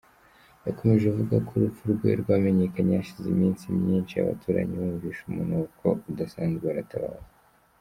Yakomeje avuga ko urupfu rwe rwamenyekanye hashize iminsi myinshi, abaturanyi bumvise umunuko udasanzwe baratabaza.